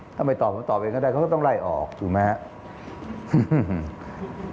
ถ้าไม่ตอบผมตอบเองก็ได้เขาก็ต้องไล่ออกถูกไหมครับ